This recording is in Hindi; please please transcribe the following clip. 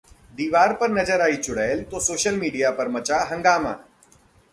दीवार पर नजर आई 'चुड़ैल' तो सोशल मीडिया पर मचा हंगामा